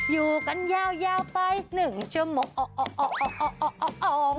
อยู่กันยาวไป๑ชั่วโมง